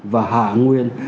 và hạ nguyên